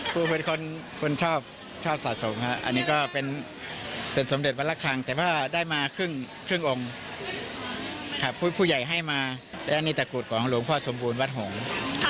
ครูเป็นคนชอบชอบสะสมครับอันนี้ก็เป็นสมเด็จวัดละครั้งแต่ว่าได้มาครึ่งองค์ครับผู้ใหญ่ให้มาและนี่ตะกุฎของหลวงพ่อสมบูรณวัดหงษ์